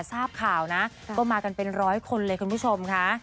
ทราบข่าวนะก็มากันเป็นร้อยคนเลยคุณผู้ชมค่ะ